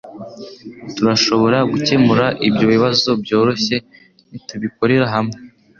Turashobora gukemura ibyo bibazo byoroshye nitubikorera hamwe